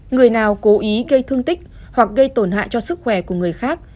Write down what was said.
người nào cố ý gây thương tích hoặc gây tổn hại cho sức khỏe của người khác